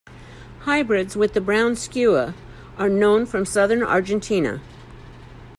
Hybrids with the brown skua are known from southern Argentina.